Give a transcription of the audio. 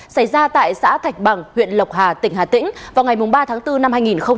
xảy ra tại xã thạch bằng huyện lộc hà tỉnh hà tĩnh vào ngày ba tháng bốn năm hai nghìn hai mươi ba